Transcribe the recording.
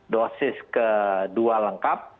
dosis kedua lengkap